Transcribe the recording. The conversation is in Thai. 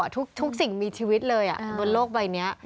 ทุกสิ่งมีชีวิตเลยบนโลกใบนี้